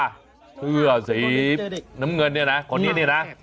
เสื้อสีน้ำเงินเนี่ยนะคนนี้เนี่ยนะ